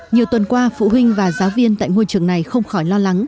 nhiều tuần qua phụ huynh và giáo viên tại ngôi trường này không khỏi lo lắng